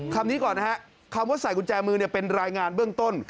คำนี้ก่อนนะฮะคำว่าใส่กุญแจมือเป็นรายงานเบื้องต้น